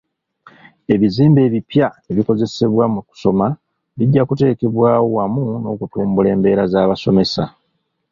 Ebizimbe ebipya ebikozesebwa mu kusoma bijja kuteekebwawo wamu n'okutumbula embeera z'abasomesa.